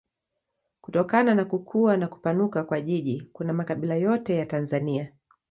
Kutokana na kukua na kupanuka kwa jiji kuna makabila yote ya Tanzania.